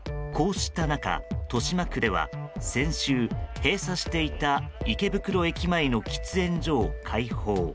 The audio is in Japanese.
こうした中豊島区では先週閉鎖していた池袋駅前の喫煙所を開放。